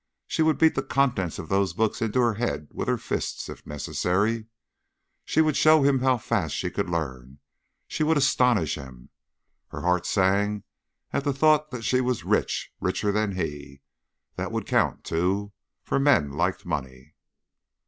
She would beat the contents of those books into her head with her fists, if necessary; she would show him how fast she could learn; she would astonish him. Her heart sang at the thought that she was rich richer than he. That would count, too, for men liked money.